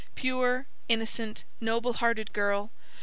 Pure, innocent, noble hearted girl!